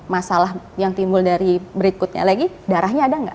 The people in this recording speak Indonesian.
masalah yang timbul dari berikutnya lagi darahnya ada nggak